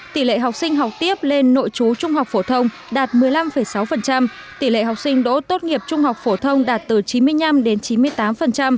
tỷ lệ học sinh học tiếp lên nội chú trung học phổ thông đạt một mươi năm sáu tỷ lệ học sinh đỗ tốt nghiệp trung học phổ thông đạt từ chín mươi năm đến chín mươi tám